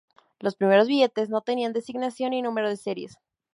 Los primeros billetes no tenían designación ni número de serie.